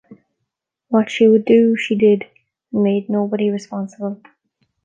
What she would do she did, and made nobody responsible.